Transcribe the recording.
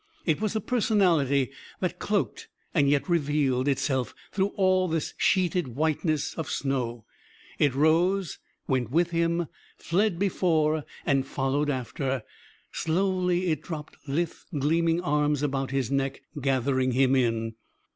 It was a personality that cloaked, and yet revealed, itself through all this sheeted whiteness of snow. It rose, went with him, fled before, and followed after. Slowly it dropped lithe, gleaming arms about his neck, gathering him in....